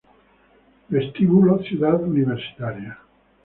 Vestíbulo Ciudad Universitaria